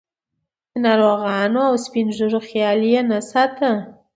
د ناروغانو او سپین ږیرو خیال یې نه ساته.